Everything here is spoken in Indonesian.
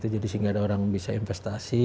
jadi sehingga ada orang yang bisa investasi